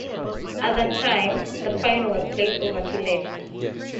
At the time, the final was played over two legs.